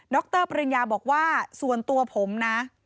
รปริญญาบอกว่าส่วนตัวผมนะ